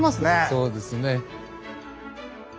そうですね。